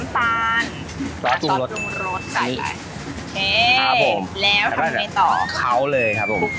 พุกเข้าเลย